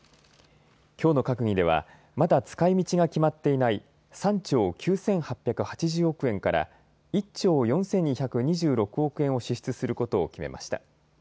きょうの閣議ではまだ使いみちが決まっていない３兆９８８０億円から１兆４２２６億円を支出することを決めました。